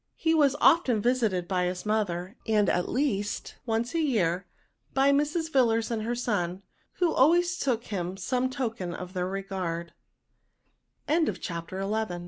He was often yisited by his mother, and, at least, once a year, by Mrs. Yillars and her son, who always took him some token of their reg